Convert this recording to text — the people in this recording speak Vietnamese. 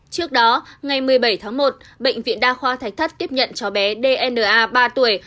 trước đó ngày một mươi bảy tháng một bệnh viện đa khoa thạch thất tiếp nhận cháu bé dna ba tuổi